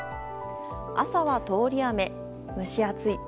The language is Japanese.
朝は通り雨蒸し暑い。